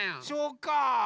そうか。